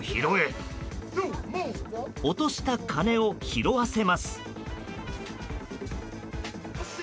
落とした金を拾わせます。